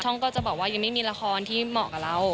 ก็จะบอกว่ายังไม่มีละครที่เหมาะกับเรา